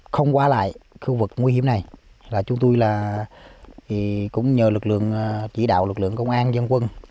không qua lại khu vực nguy hiểm này là chúng tôi là cũng nhờ lực lượng chỉ đạo lực lượng công an dân quân